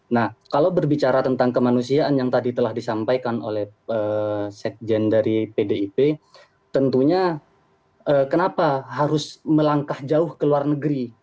nah kalau berbicara tentang kemanusiaan yang tadi telah disampaikan oleh sekjen dari pdip tentunya kenapa harus melangkah jauh ke luar negeri